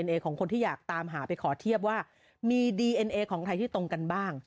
เหยียดกัญชัยอ่ะมันทิ้งแล้วอ่ะ